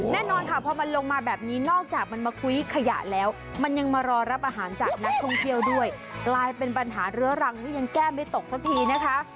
แน่นอนค่ะพอมันลงมาแบบนี้นอกจากมันมาคุ้ยขยะแล้วมันยังมารอรับอาหารจากนักท่องเที่ยวด้วยกลายเป็นปัญหาเรื้อรังที่ยังแก้ไม่ตกสักทีนะคะ